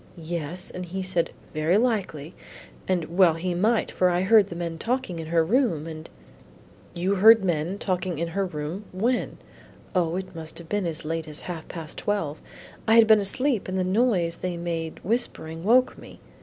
"Yes, and he said, 'Very likely.' And well he might, for I heard the men talking in her room, and " "You heard men talking in her room when?" "O, it must have been as late as half past twelve. I had been asleep and the noise they made whispering, woke me."